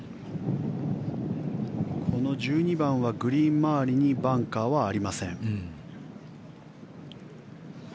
この１２番はグリーン周りにバンカーはありません。